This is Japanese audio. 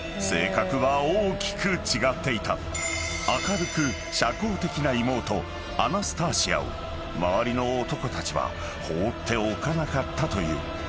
［明るく社交的な妹アナスターシアを周りの男たちは放っておかなかったという］